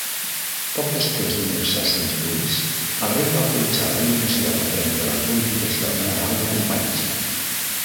Poc després d'unir-se a Sainsbury's, el rei va autoritzar l'eliminació del premi de la bonificació de Nadal de companys.